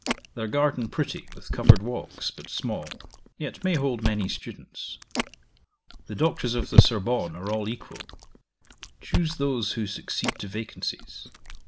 Their garden pretty, with covered walks, but small; yet may hold many students. The Doctors of the Sorbonne are all equal: choose those who succeed to vacancies.